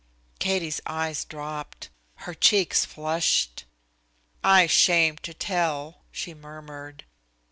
Katie's eyes dropped. Her cheeks flushed. "I 'shamed to tell," she murmured.